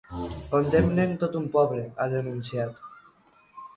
Condemnen tot un poble, ha denunciat.